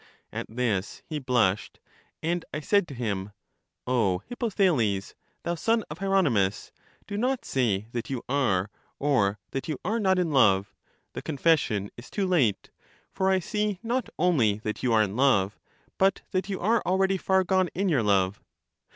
At this he blushed; and I said to him, O Hippo thales, thou son of Hieronymus! do not say that you are, or that you are not, in love ; the confession is too late ; for I see not only that you are in love, but that you are already far gone in your love.